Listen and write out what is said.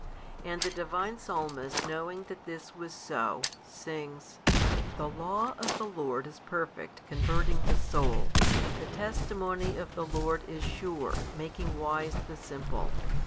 And the Divine Psalmist knowing that this was so, sings, The Law of the Lord is perfect converting the soul: the testimony of the Lord is sure, making wise the simple.